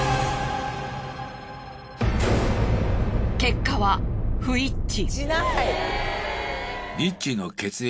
結果は不一致。